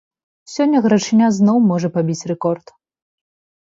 Сёння гарачыня зноў можа пабіць рэкорд.